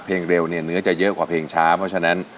เร็วเนี่ยเนื้อจะเยอะกว่าเพลงช้าเพราะฉะนั้น